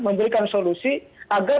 memberikan solusi agar